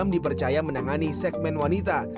dia menangani segmen wanita